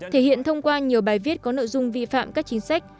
thể hiện thông qua nhiều bài viết có nội dung vi phạm các chính sách